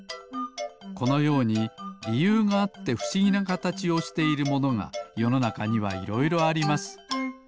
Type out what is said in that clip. このようにりゆうがあってふしぎなかたちをしているものがよのなかにはいろいろあります。